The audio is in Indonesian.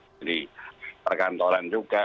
jadi perkantoran juga